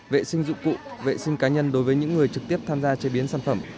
vệ sinh dụng cụ vệ sinh cá nhân đối với những người trực tiếp tham gia chế biến sản phẩm